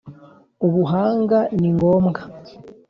Ubuhanga ni ngombwa